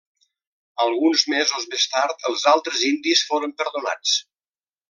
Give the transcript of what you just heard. Alguns mesos més tard els altres indis foren perdonats.